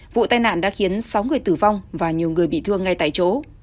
vụ tai nạn đã khiến sáu người tử vong và nhiều người bị thương ngay tại chỗ